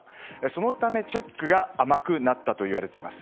そのため、チェックが甘くなったといわれています。